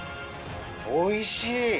おいしい！